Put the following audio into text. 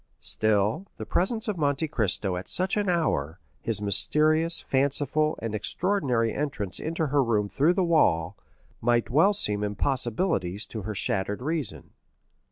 Still, the presence of Monte Cristo at such an hour, his mysterious, fanciful, and extraordinary entrance into her room through the wall, might well seem impossibilities to her shattered reason.